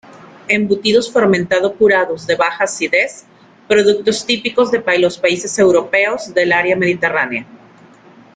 Embutidos fermentado-curados de baja acidez, productos típicos de los países europeos del área mediterránea.